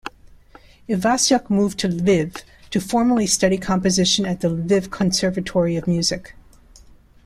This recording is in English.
Ivasyuk moved to Lviv to formally study composition at the Lviv Conservatory of Music.